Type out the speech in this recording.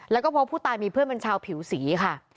แล้วก็พบผู้ตายมีเพื่อนเป็นชาวผิวสีค่ะ